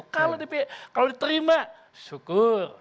kalau di terima syukur